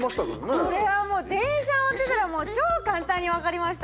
これはもう電車乗ってたら超簡単に分かりました！